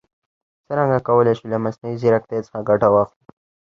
څرنګه کولای شو له مصنوعي ځیرکتیا څخه ګټه واخلو؟